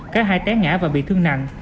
cả hai té ngã và bị thương nặng